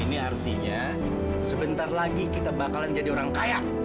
ini artinya sebentar lagi kita bakalan jadi orang kaya